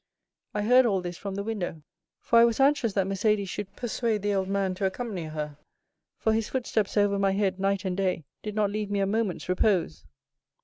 I heard all this from the window, for I was anxious that Mercédès should persuade the old man to accompany her, for his footsteps over my head night and day did not leave me a moment's repose."